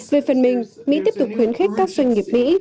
về phần mình mỹ tiếp tục khuyến khích các doanh nghiệp mỹ